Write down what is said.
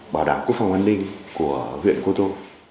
bảo đảm quốc phòng an ninh của huyện cô tô